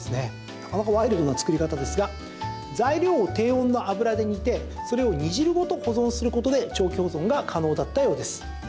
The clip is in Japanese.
なかなかワイルドな作り方ですが材料を低温の油で煮てそれを煮汁ごと保存することで長期保存が可能だったようです。